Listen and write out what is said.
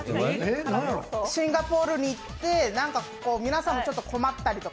シンガポールに行って、皆さんもちょっと困ったりとか。